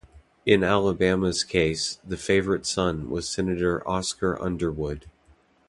In Alabama's case, the favorite son was Senator Oscar Underwood.